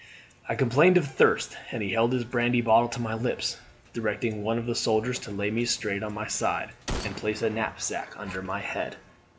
I complained of thirst, and he held his brandy bottle to my lips, directing one of the soldiers to lay me straight on my side, and place a knapsack under my head.